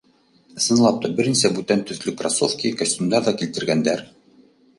Ысынлап та, бер нисә бүтән төҫлө кроссовки, костюмдар ҙа килтергәндәр.